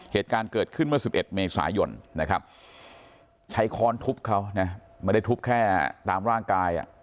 เหตุการณ์เกิดขึ้นเมื่อ๑๑เมษายนนะครับใช้ค้อนทุบเขานะไม่ได้ทุบแค่ตามร่างกาย